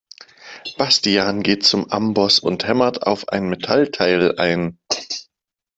Bastian geht zum Amboss und hämmert auf ein Metallteil ein.